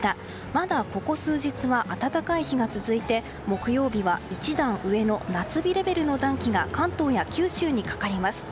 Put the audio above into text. まだここ数日は暖かい日が続いて木曜日は一段上の夏日レベルの暖気が関東や九州にかかります。